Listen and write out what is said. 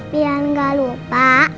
biar gak lupa